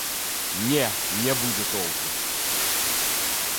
Не, не будзе толку!